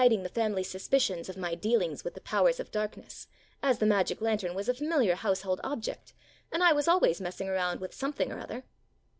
Chicago family's suspicion of my dealings with the Powers of Darkness, as the magic lantern was a familiar household object, and I was always messing around with something or other.